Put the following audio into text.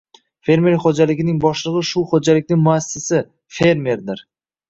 Fermer xoʼjaligining boshligʼi shu xoʼjalikning muassisi — fermerdir.